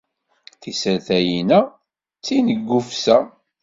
Tisertayin-a d tineggufsa.